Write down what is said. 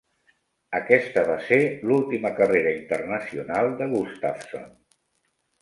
Aquesta va ser l'última carrera internacional de Gustafson.